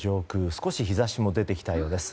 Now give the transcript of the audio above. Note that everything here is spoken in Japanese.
少し日差しも出てきたようです。